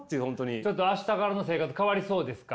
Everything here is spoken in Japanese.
ちょっと明日からの生活変わりそうですか？